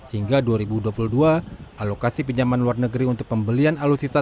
hingga dua ribu dua puluh dua alokasi pinjaman luar negeri untuk pembelian alutsista